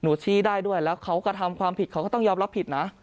ชี้ได้ด้วยแล้วเขากระทำความผิดเขาก็ต้องยอมรับผิดนะ